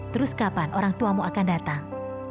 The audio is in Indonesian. terus kapan orang tuamu akan datang